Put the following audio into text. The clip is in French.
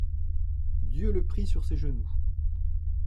Dieu le prit sur ses genoux.